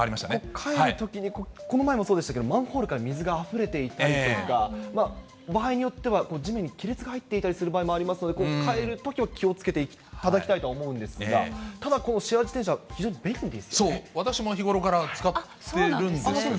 帰るときに、この前もそうでしたけれども、マンホールから水があふれていたりとか、場合によっては、地面に亀裂が入っていたりする場合もありますので、帰るときは気をつけていただきたいとは思うんですが、ただこう、私も日頃から使ってるんですけれども。